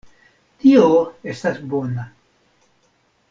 Tio estas bona.